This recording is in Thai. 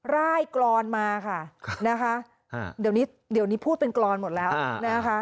ร่ายกรอนมาค่ะนะคะเดี๋ยวนี้เดี๋ยวนี้พูดเป็นกรอนหมดแล้วนะคะ